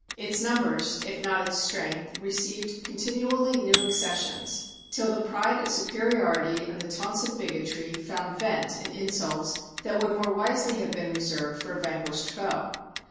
Its numbers, if not its strength, re ceived continually new accessions, till the pride of supe riority, and the taunts of bigotry, found vent in insults that would more wisely have been reserved for a van quished foe.